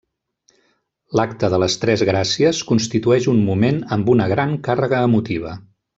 L’Acte de les Tres Gràcies constitueix un moment amb una gran càrrega emotiva.